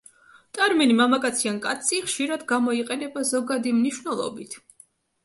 ტერმინი მამაკაცი ან კაცი ხშირად გამოიყენება ზოგადი მნიშვნელობით.